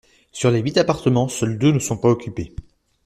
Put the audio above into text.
Sur les huit appartements, seuls deux ne sont pas occupés.